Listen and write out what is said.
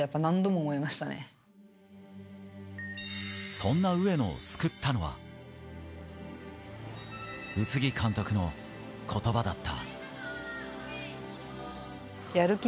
そんな上野を救ったのは、宇津木監督の言葉だった。